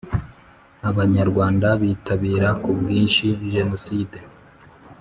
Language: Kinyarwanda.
Abanyarwanda bitabira ku bwinshi jenoside